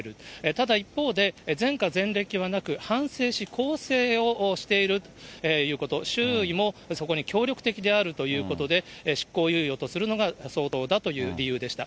ただ一方で、前科前歴はなく、反省し、更生をしているということ、周囲もそこに協力的であるということで、執行猶予とするのが相当だという理由でした。